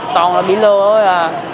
toàn là bị lừa thôi à